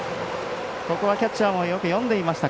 ここはキャッチャーもよく読んでいました。